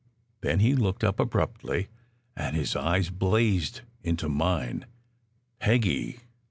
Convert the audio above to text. Then he looked up abruptly, and his eyes blazed into mine. "Peggy!"